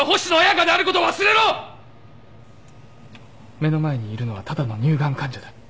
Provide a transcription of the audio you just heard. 目の前にいるのはただの乳ガン患者だ。